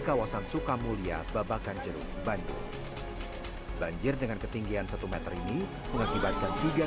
kawasan sukamulya babakan jeruk bandung banjir dengan ketinggian satu m ini mengakibatkan tiga